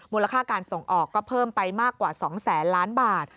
ค่าการส่งออกก็เพิ่มไปมากกว่า๒แสนล้านบาท